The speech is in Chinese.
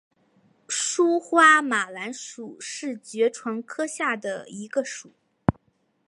疏花马蓝属是爵床科下的一个属。